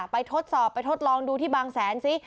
ทดสอบไปทดลองดูที่บางแสนซิ